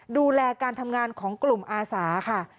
ดูแลการทำงานของกลุ่มอาสาค่ะ